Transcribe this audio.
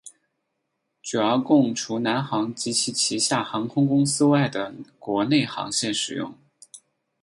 主要供除南航及其旗下航空公司外的国内航线使用。